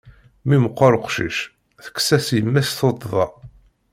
Mi meqqeṛ uqcic, tekkes-as yemma-s tuṭṭḍa.